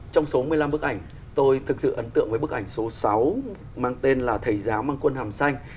trong số một mươi năm bức ảnh tôi thực sự ấn tượng với bức ảnh số sáu mang tên là thầy giáo mang quân hàm xanh